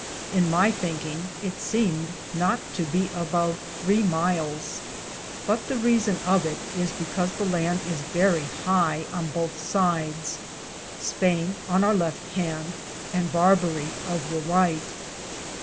In my thinkinge it seemed not to be above 3 myles, but the Reason of yt is because the Lande is verrie hie on bothe sides, Spayne on our Lefte hand, and Barberie of the Ryghte.